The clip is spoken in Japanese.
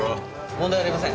問題ありません。